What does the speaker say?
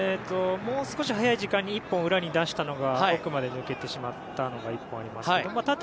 もう少し早い時間に１本、裏に出したのが奥まで抜けてしまったのが１本ありましたが。